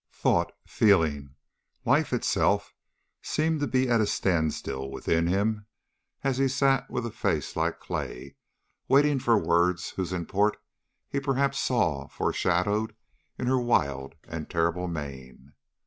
Thought, feeling, life itself, seemed to be at a standstill within him as he sat with a face like clay, waiting for words whose import he perhaps saw foreshadowed in her wild and terrible mien.